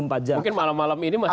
mungkin malam malam ini masih ada